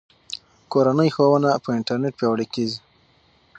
کورنۍ ښوونه په انټرنیټ پیاوړې کیږي.